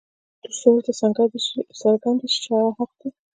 تر څو ورته څرګنده شي چې هغه حق دى.